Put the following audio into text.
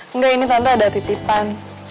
enggak ini tante ada titipan